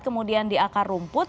kemudian di akar rumput